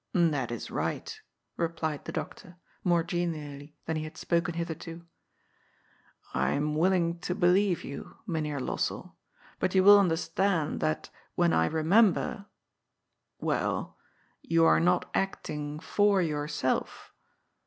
" That is right," replied the doctor, more genially than he had spoken hitherto. "I am willing to believe you. Mynheer Lossell, but you will understand that when I remember, — ^well ! You are not acting /or yourself.